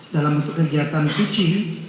dalam bentuk kegiatan suci